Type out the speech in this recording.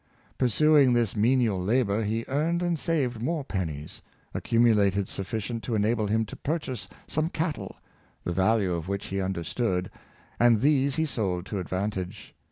Pursuing this menial labor, he earned and saved more pennies; accumulated sufficient to ena ble him to purchase some cattle, the value of which he understood, and these he sold to advantage.